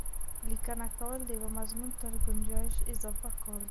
لیکنه کول د یوه مضمون تر ګنجایش اضافه کار دی.